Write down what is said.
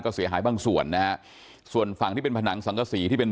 ก็เสียหายบางส่วนนะฮะส่วนฝั่งที่เป็นผนังสังกษีที่เป็น